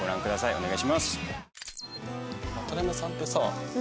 お願いします。